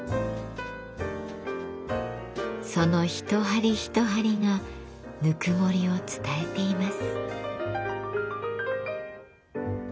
その一針一針がぬくもりを伝えています。